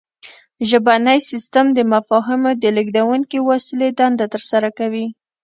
ژبنی سیستم د مفاهیمو د لیږدونکې وسیلې دنده ترسره کوي